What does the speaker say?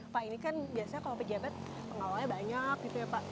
pak ini kan biasanya kalau pejabat pengawalnya banyak gitu ya pak